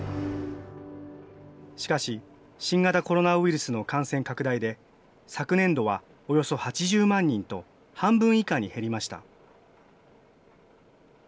しかし、新型コロナウイルスの感染拡大で、昨年度はおよそ８０万人と、半分以下に減りました。